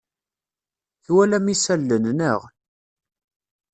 Twalam isalan, naɣ?